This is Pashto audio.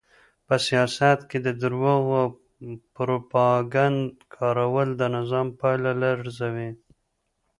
په سیاست کې د درواغو او پروپاګند کارول د نظام پایه لړزوي.